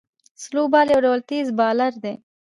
سلو بال یو ډول تېز بالر دئ.